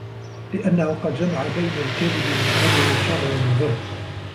لِأَنَّهُ قَدْ جَمَعَ بَيْنَ الْكَذِبِ الْمُعِرِّ وَالشَّرِّ الْمُضِرِّ